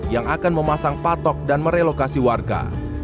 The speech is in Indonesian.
yang akan memasang patok dan merelokasi warga